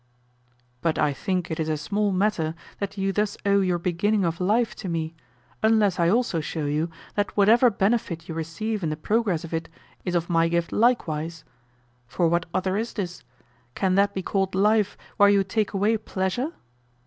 But I think it is a small matter that you thus owe your beginning of life to me, unless I also show you that whatever benefit you receive in the progress of it is of my gift likewise. For what other is this? Can that be called life where you take away pleasure?